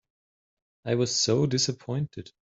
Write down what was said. I was so dissapointed.